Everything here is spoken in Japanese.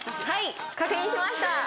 はい確認しました